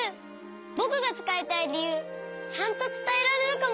ぼくがつかいたいりゆうちゃんとつたえられるかも。